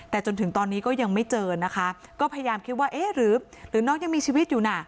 แต่จนถึงตอนนี้ก็ยังไม่เจอนะคะก็พยายามคิดว่าเอ๊ะหรือน้องยังมีชีวิตอยู่น่ะ